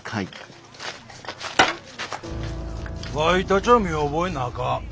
わいたちゃ見覚えなか。